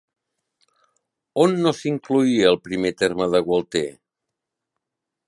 On no s'incloïa el primer terme de Gualter?